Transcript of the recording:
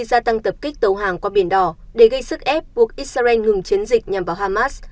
gia tăng tập kích tàu hàng qua biển đỏ để gây sức ép buộc israel ngừng chiến dịch nhằm vào hamas